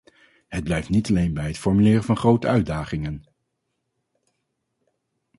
Het blijft niet alleen bij het formuleren van grote uitdagingen.